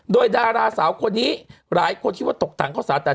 โดยดาราสาวคนนี้หลายคนคิดว่าตกต่างเข้าสาวแต่